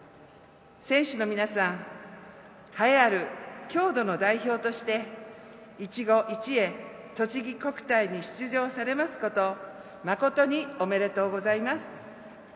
選手の皆さん栄えある郷土の代表として「いちご一会とちぎ国体」に出場されますこと誠におめでとうございます。